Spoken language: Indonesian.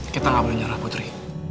kita gak boleh nyara putri